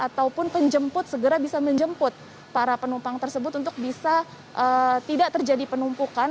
ataupun penjemput segera bisa menjemput para penumpang tersebut untuk bisa tidak terjadi penumpukan